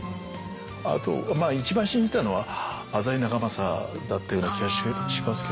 あとまあ一番信じたのは浅井長政だったような気がしますけれども。